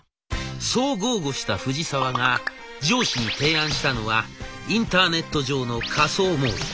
そう豪語した藤沢が上司に提案したのはインターネット上の仮想モール。